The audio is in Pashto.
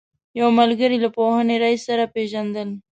یو ملګري له پوهنې رئیس سره پېژندل.